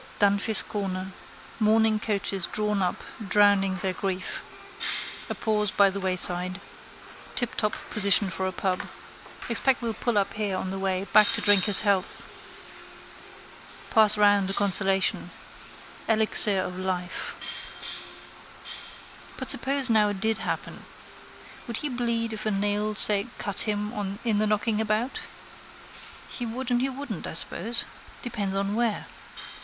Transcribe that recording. Dunphy's corner. Mourning coaches drawn up, drowning their grief. A pause by the wayside. Tiptop position for a pub. Expect we'll pull up here on the way back to drink his health. Pass round the consolation. Elixir of life. But suppose now it did happen. Would he bleed if a nail say cut him in the knocking about? He would and he wouldn't, I suppose. Depends on where.